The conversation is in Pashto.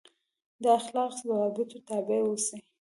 دا اخلاقي ضوابطو تابع اوسي.